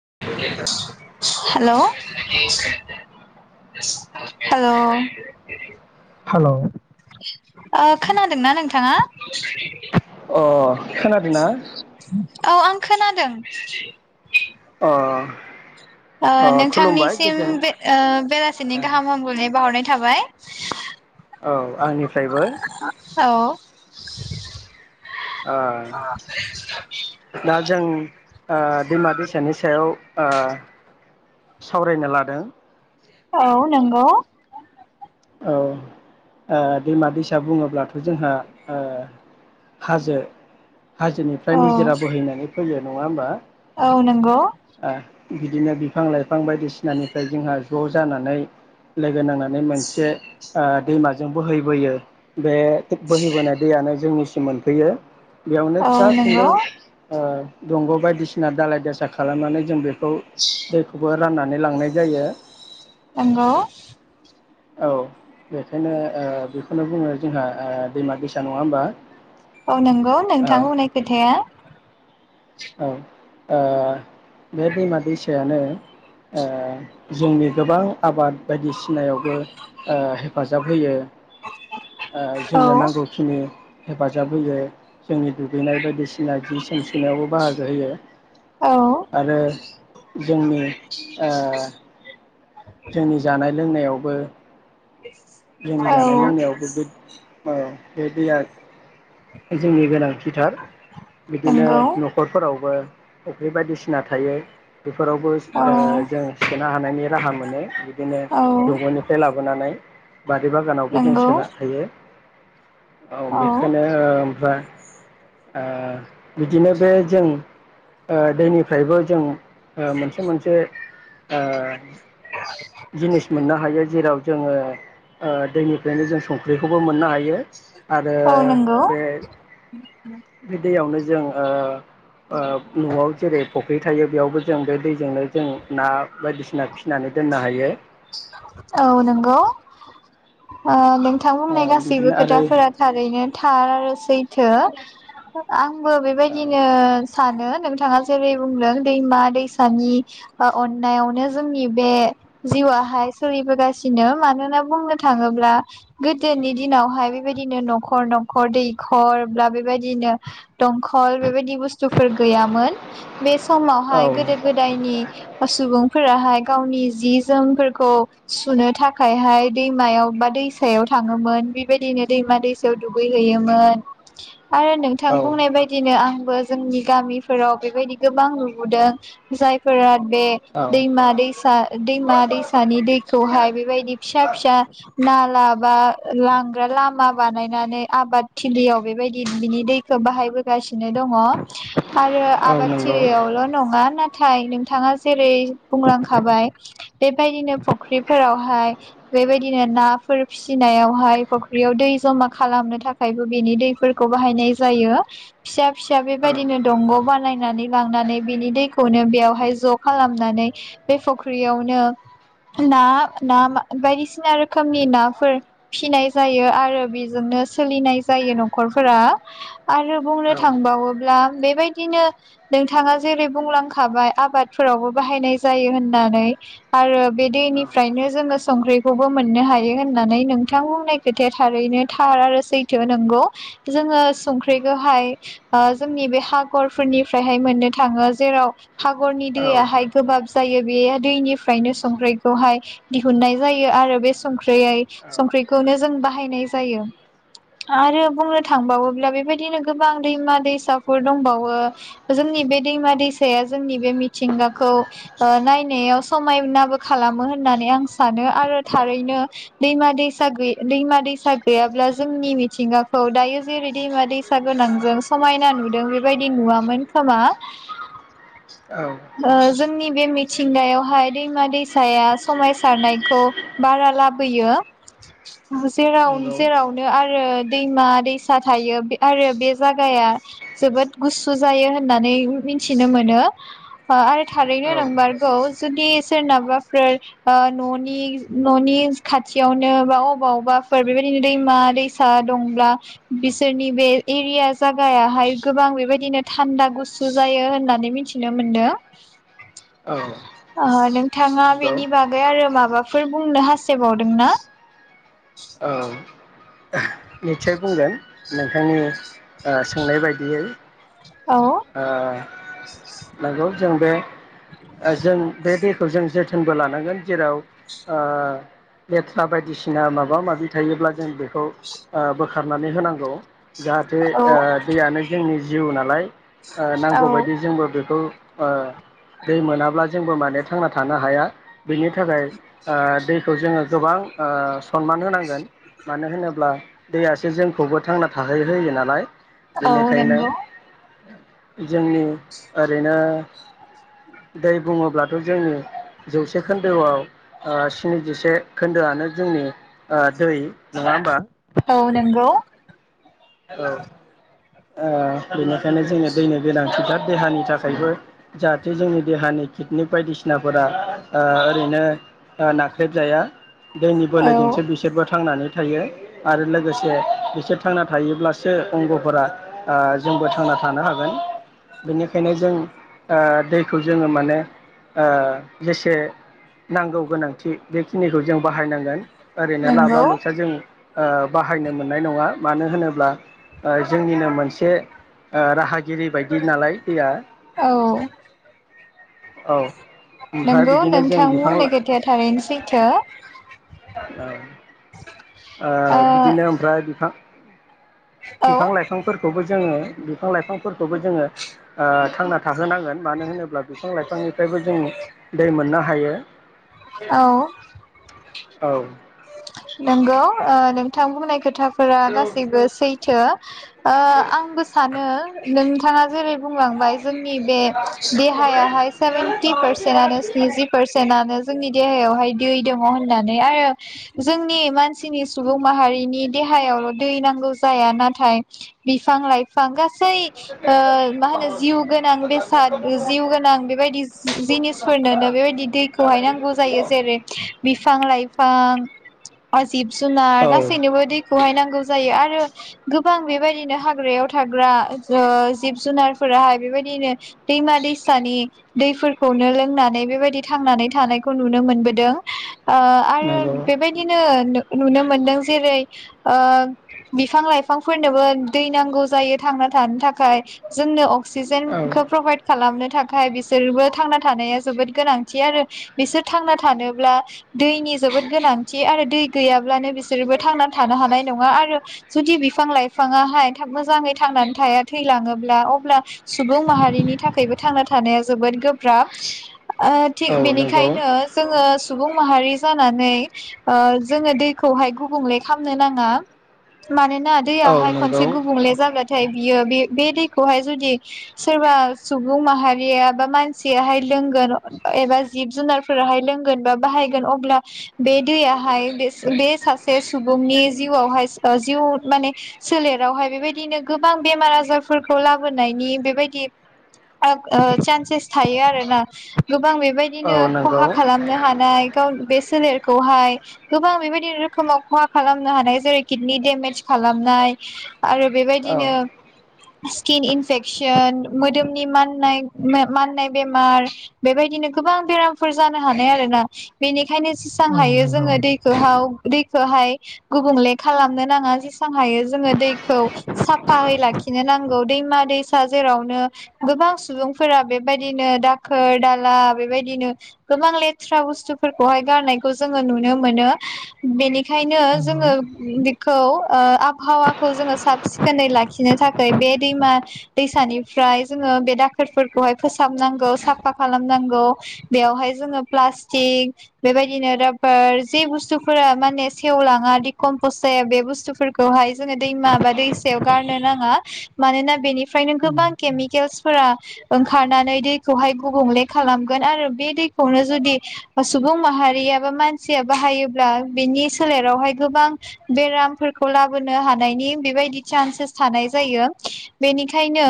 हेल' hello. Hello. ओ खोनादोंना नोंथाङा? अ खोनादोंना औ आं खोनादों? अ ओ अ खुलुमबाय नोंथांनिसिम गोजोन बे ओ बेलासिनि गाहाम हामलायनाय बावहरनाय था थाबाय। औ आंनिफ्रायबो। [inaudible] ओ दा जों ओ दैमा दैसानि सायाव ओ। सावरायनो लादों। औ नोंग'। औ ओ दैमा दैसा बुङोब्लाथ' जोंहा ओ हाजो हाजोनिफ्राय औ निजिरा बोहैनानै फैयो। नङा होमबा? औ नोंग'। ओ बिदिनो बिफां लाइफां बायदिसिनानिफ्राय जोंहा ज' जानानै लोगो नांनानै मोन से ओ दैमाजों बोहैबोयो। बे बोहैबोनाय दैयानो जोंनि मोनफैयो। बेयावनो औ फिसा फिन्दौ नंगौ ओ दंग' बायदिसिना दालाय दासा खालामनानै जों बे खौ दैखौबो राननानै लांनाय जायो। नोंगौ औ बेखायनो बेखौनो बुङो जोंहा ओ दैमा दैसा नङा होमबा। औ नंगौ औ नोंथां बुंनाय खोथाया। औ ओ बे दैमा दैसायानो ओ जोंनि गोबां आबाद बायदिसिनायावबो ओ हेफाजाब होयो। ओ औ जोंनो नांगौखिनि हेफाजाब होयो। जोंनि दुगैनाय बायदिसिना जि जोम सुनायावबो बाहागो होयो औ आरो जोंनि ओ जोंनि जानाय लोंनायाव बो जोंनि औ जानाय लोंनायावबो बे औ बे दैया जोंनि गोनां थिथार बिदिनो नंगौ न'खरफोरावबो फुख्रि बायदिसिना थायो। बेफोरावबो औ ओ जों सोनो हानायनि राहा मोनो बिदिनो औ दंगनिफ्राय लाबोनानै बारि बागानावबो जों नंगौ सोना थायो । औ बेखायनो ओमफ्राय ओ बिदिनो बे जों ओ दैनिफ्रायबो जों ओ मोनसे मोनसे ओ जिनिस मोनना हायो जेराव जोङो ओ दैनिफ्रायनो जों संख्रिखौबो मोननो हाय यो आरो नंगौ बे दैयावनोज जों ओ ओ न'आव जेरै फुख्रि थायो बेयावबो जों बे दैजोंनो जों ना बायदिसिना फि नानै दोननो हाय औ नोंगौ। ओब नोंथां बुंनाय औ गासैबो बिदिनो आरो खोथाफोरा थारैनो थार सै थो आं बो बेबायदिनो सानो नोंथाङा जेरै बुंदों दैमा दैसानि ओ अननायावनो जोंनि बे जिउआहाय सोलिबोगासिनो मानोना बुंनो थाङोब्ला गोदोनि दिनावहाय बेबायदिनो न'खर न'खर दैखर ब्ला बेबायदिनो दंखल बेबायदि बुस्थुफोर गैयामोन बे औ समावहाय गोदो गोदायनि ओ सुबुं फोराहाय। गावनि जि जोमफोरखौ सुनो थाखायहाय दैमायाव बा दैसायाव थाङोमोन बेबायदिनो दैमा दैसायाव दुगैहैयोमोन। आरो नोंथां औ बुंनाय बायदिनो आंबो जोंनि गामिफोराव बेबायदि गोबां नुबोदों जायफोरा बे दैमा दै दैमा औ दैसानि दैखौहाय बेबायदि फिसा फिसा नाल ला बा लांग्रा लामा बानायनानै आबाद थिलियाव बेबायदि बिनि दैखौ बाहायबोगासि नो दङ' आरो औ नंगौ आबादथिलियावल' नङा ना थाय नोंथाङा जेरै बुंलां खाबाय बेबायदिनो फुख्रिफोरावहाय बेबायदिनो नाफोर फिसिनायावहाय फ'ख्रियाव दै जमा खालामनो थाखायबो बेनि दैफोरखौ बाहायनाय जायो फिसा फिसा औ बेबायदिनो दंग' बानायनानै लांनानै बिनि दैखौनो बेयावहाय ज' खालामनानै बे फुख्रियावनो ना ना बायदिसिना रोखोमनि नाफोर फिनाय जायो आरो बेजोंनो सोलिनाय जायो न'खरफोरा आरो औ बुंनो थांबावोब्ला बेबायदिनो नोंथाङा जेरै बुंलांखाबाय आबादफोरावबो बाहायनाय जायो होननानै आरो बे औ औ दैनिफ्रायनो जोङो संख्रिखौबो मोननो हायो होननानै नोंथां बुंनाय खोथाया थारैनो थार आरो सैथो नोंगौ जोङो संख्रिखौहाय जोंनि बे खागरफोरनिफ्रायहाय मोननो थाङो जेराव खागरनि दैयाहाय गोबाब जायो बे दैनिफ्रायनो संख्रिखौहाय दिहुननाय जायो आरो बे संख्रियै संख्रिखौनो जों बाहायनाय जायो आरो बुंनो थांबावोब्ला बेबायदिनो गोबां दैमा दैसाफोर दंबावो जोंनि बे दैमा दैसाया जोंनि बे मिथिंगाखौ ओ नायनायाव समायनाबो खालामो होननानै आं सानो आरो थारैनो दैमा दैसा गै दैमा दैसा गैयाब्ला जोंनि मिथिंगाखौ दायो जेरै दैमा दैसा गोनांजों समायना नुदों बेबायदि नुवामोन खोमा। औ। ओ जोंनि बे मिथिंगायावहाय दैमा दैसाया समायसारनायखौ बारा लाबोयो जेराव नंगौ जेरावनो आरो दैमा दैसा थायो बे आरो बे जागाया जोबोद गुसु जायो होननानै मिथिनो मोनो आरो थारैनो औ नोंमारगौ जुदि सोरनाबाफोर ओ न'नि न'नि खाथियावनो बा अबावबाफोर बेबायदिनो दैमा दैसा दंब्ला बिसोरनि बे एरिया जागायाहाय गोबां बेबायदिनो थान्दा गुसु जायो होननानै मिथिनो मोनदों। औ ओ नोंथाङा नंगौ बेनि बागै आरो माबा फोर बुंनो हास्थायबावदोंना? निटसय बुंगोन। नोंथांनि ओ सोंनाय बायदियै। औ ओ नोंगौ जों बे जों बे दैखौ जों जोथोनबो लानांगोन जेराव लेथ्रा ओ बायदिसिना माबा माबि थायोब्ला जों बेखौ ओ बोखारनानै होनांगौ। जाहाथे औ ओ दैयानो जोंनि जिउ नालाय। ओ औ नांगौ बायदि जोंबो बे खौ ओ दै मोनाब्ला जोंबो माने थांना थानो हाया। बिनि थाखाय ओ दैखौ जोङो गोबां ओ सनमान होनांगोन। मानो होनोब्ला दैयासो जोंखौबो थांना थाहोनाय जायो नालाय औ बेनिखायनो नंगौ जोंनि ओरैनो दै बुङोब्लाथ' जोंनि जौसे खोन्दोआव ओ स्निजिसे खोन्दोआनो जोंनि दै नङा होमबा? औ नंगौ ओ बेनिखायनो जोङो दैनो गोनांथिथार देहानि थाखायबो जाहाथे जोंनि देहानि किडनिक बायदिसिनाफोरा ओरैनो नाख्रेबजाया। दैनि औ बोलोजोंसो बिसोरबो थांनानै थायो आरो लोगोसे बिसोर थांना थायोब्लासो अंगफोरा ओ जोंबो थांना थानो हागोन बेनिखायनो जों ओ दैखौ जोङो माने ओ जेसे नांगौ गोनांथि बेखिनिखौ जों बाहायनांगोन। ओरैनो लाबब्ला नंगौ लुसा जों ओ बाहायनो मोननाय नङा। मानो होनोब्ला ओ जोंनिनो मोनसे राहागिरि बायदि नालाय दैया औ औ ओमफ्राय नंगौ बिदिनो जों नोंथां बिफां ला खोथाया थारैनो सैथो। [unintelligible] ओ बिदिनो ओमफ्राय बिफां ओ बिफां लाइफांफोरखौबो जोङो बिफां लाइफां फोरखौबो जोङो ओ थांना थाहोनांगोन मानो होनोब्ला बिफां लाइफांनिफ्रायबो जों दै मोननो हा हायो औ औ नंगौ ओ नोंथां बुंनायखो थाफोरा गासैबो सैथो आंबो सानो नों थाङा जेरै बुंलांबाय जोंनि बे देहायाहाय सेभेेनटि पारसेन्टानो स्निजि पारसेन्टानो जोंनि देहायावहाय दै दङ होननानै आरो जोंनि मानसिनि सुबुं माहारिनि देहायावल' दै नांगौ जाया नाथाय बिफां लाइफां फां गासै ओ मा होनो जिउ गोनां बेसाद जिउ गोनां बेबायदि जिनिसफोरनोनो बेबायदि दैखौहाय नांगौ जायो। जेरै बिफां लाइफां आ जिब जुनार औ गासैनोबो दैखौहाय नांगौ। जायो आरो गोबां बेबायदिनो हाग्रायाव थाग्रा ओ जिब जुनारफोराहाय बेबायदिनो दैमा दैसानि दैफोरखौनो लोंनानै बेबायदि थांनानै थानायखौ नुनो मोनबोदों। आ आरो नंगौ बेबायदिनो नो नुनो मोनदों जेरै ओ बिफां लाइफांफोरनोबो दै नांगौ जायो थांना थानो थाखाय जोंनो अक औ क्सिजेनखौ प्रभाइद खालामनो थाखाय बिसोरबो थांना थानाया जोबोद गोनांथि आरो बिसोर थांना थानोब्ला दैनि जोबोद गोनांथि आरो दै गैयाब्लानो बिसोरबो थांनानै थानो हानाय नङा । आरो जुदि बिफां लाइफाङाहाय थाब मोजाङै थांनानै थाया थैलाङोब्ला अब्ला सुबुं माहारिनि थाखायबो थांना थानाया जोबोद गोब्राब । ओ थिग औ नंगौ बेनिखायनो जोङो - सुबुं माहारि जानानै ओ जोङो दैखौहाय गुबुंले खालामनो नाङा मानोना ना औ दैयाहाय नंगौ खनसे गुबुंले जागोन । नाथाय बियो बे बे दैखौहाय जुदि सोरबा सुबुं माहारिया बा मानसियाहाय लोंगोन । एबा जिब जुनारफोराहाय लोंगोन बा बाहायगोन अब्ला बे दैयाहाय बे बे सासे सुबुंनि जिउआवहाय जिउ माने सोलेरावहाय बेबायदिनो गोबां बेमार आजारफोरखौ लाबोनायनि बेबायदि ओ सान्सेस थायो आरोना । गोबां बेबायदिनो औ नंगौ खहा खालामनो हानाय गाव बे सोलेर खौहाय गोबां बेबायदि रोखोमाव खहा खालामनो हानाय जेरै किडनि दडेमेज खालामनाय आरो औ बेबायदिनो स्किन इनफेकसन, मोदोमनि माननाय, माननाय बेमार बेबायदिनो गोबां बेरामफोर जानो हानाय आरोना । बेनिखायनो जेसेबां औ हायो नंगौ जोङो दैखौ हाव दैखौहाय गुबुंले खालामनो नाङा । जेसेबां हायो जोङो दैखौ साफायै लाखिनो नांगौ । दैमा दैसा जेरावनो गोबां सुबुंफोरा बेबायदिनो दाखोर दाला बेबायदिनो गोबां लेथ्रा बुस्थुफोरखौहाय गारनाय जोङो नुनो मोनो । बेनिखायनो जोङो बेखौ ओ आबहावाखौ जोङो साब सिखोनै लाखिनो थाखाय बे दैमा दैसानिफ्राय जोङो बे दाखोरफोरखौहाय फोसाबनांगौ साफा खालामनांगौ । बेयावहाय जोङो प्लास्टिक बेबाय बिनो राफोर बुस्थुफोरा माने सेवलाङा दिकमपस् जाया बे बुस्थुफोरखौहाय जोङो दैमा बा दैसायाव गारनो नाङा । मानोना बेनिफ्रायनो गोबां केमिकेलस फोर ओंखारनानै दैखौहाय गुबुंले खालामगोन आरो बे दैखौनो जुदि सुबुं माहारि गैयाबा मानसि बायो बिनि सोलेरावहाय गोबां बेरामफोरखौ लाबोनो हानायनि बेबायदि चान्सेस थानाय जायो । बेनिखायनो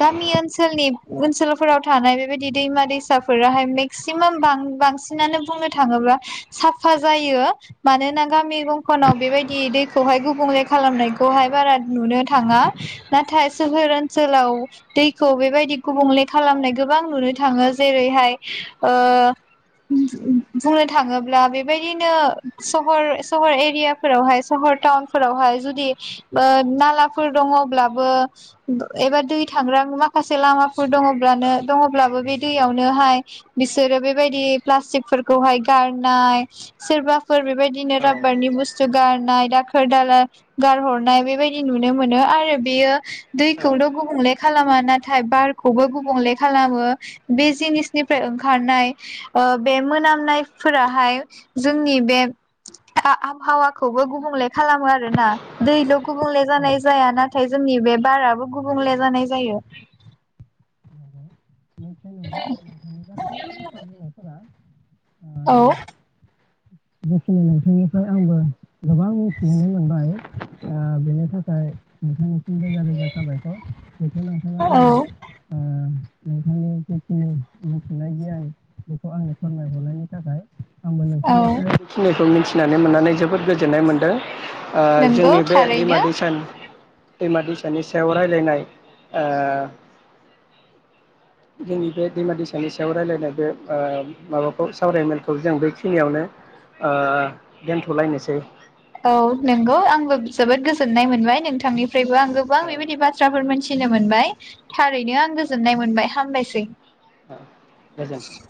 गामि ओनसोलनि ओनसोलफोराव थानाय बेबायदि दैमा दैसाफोराय मेक्सिमाम बांसिन ओ बांसिनानो बुंनो थाङोब्ला साफा जायो । मानोना गामि दंखनाव बेबायदि दैखौहाय गुबुंले खालामनायखौहाय बारा नुनो थाङा ।नाथाय सोहोर ओनसोलाव दैखौ बेबायदि गुबुंले खालामनाय गोबां नुनो थाङो ।जेरैहाय ओ बुंनो थाङोब्ला बेबायदिनो सहर सहर एरियाफोरावहाय सहर टाउनफोरावहाय जुदि ओ नालाफोर दङब्लाबो एबा दै थांग्रा माखासे लामाफोर दङब्लानो दङब्लाबो बे दैयावनोहाय बिसोरो बेबायदि प्लास्टिकफोरखौहाय गारनाय सोरबा बेफोर बेबायदिनो औ राबारनि बुस्थु गारनाय दाखोर दाला गारहरनाय बेबायदि नुनो मोनो। आरो बेयो दैखौल' गुबुंले खालाम नाथाय बारखौबो गुबुंले खालामो । बे जिनिसनिफ्राय ओंखारनाय ओ बे मोनामनायफोराहाय जोंनि बे आबहावाखौबो गुबुंले खालामो आरोना । दैल' गुबुंले औ जानाय जाया नाथाय जोंनि बे बाराबो गुबुंले जानाय जायो । निस्सय नंगौ नोंथांनि गासै बाथ्रा बुंनायफोरा [inaudible] औ । बेखिनि नोंथांनिफ्राय आंबो गोबां मिथिनानै मोनबाय । आह बेनि थाखाय नोंथांनि रोजा रोजा जाबायथ' बेखौ नोंथाङा औ आंनो नोंथांनि जिखिनि मोनथिनाय गियान बेखौ आङो फोरमाय हरनायनि थाखाय । औ । खिनिखौ मिथिनानै मोननानै जोबोद गोजोननाय मोन्दों । ओ नंगौ जोंनि बे दैमा थारैनो दैसा दैमा दैसानि सायाव रायलायनाय ओ जोंनि बे दैमा-दैसानि सायाव रायलायनायदो ओ माबाखौ सावरायमेलखौ जों बेखिनियावनो ओ दोनथ'लायनोसै । औ नंगौ आंबो जोबोद गोजोननाय मोनबाय नोंथांनि ओफ्रायबो आं गोबां औ बेबायदि बाथ्राफोर मोनथि थिनो मोनबाय थारैनो आं गोजोननाय मोनबाय हामबायसै । आ गोजोन्थों ।